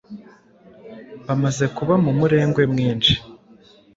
bamaze kuba mu murengwe mwinshi,